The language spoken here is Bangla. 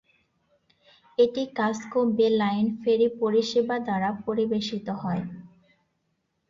এটি কাস্কো বে লাইন ফেরি পরিষেবা দ্বারা পরিবেশিত হয়।